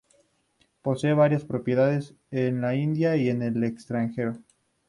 Posee varias propiedades en la India y en el extranjero.